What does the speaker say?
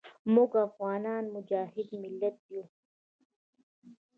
موږ افغانان مجاهد ملت یو.